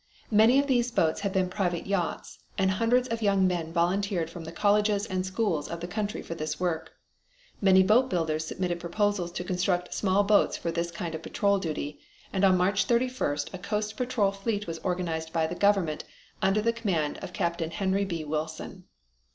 Many of these boats had been private yachts, and hundreds of young men volunteered from the colleges and schools of the country for this work. Many boat builders submitted proposals to construct small boats for this kind of patrol duty, and on March 31st a coast patrol fleet was organized by the government under the command of Captain Henry B. Wilson.